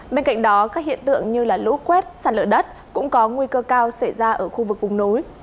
bên cạnh đó các hiện tượng như lũ quét sạt lở đất cũng có nguy cơ cao xảy ra ở khu vực vùng núi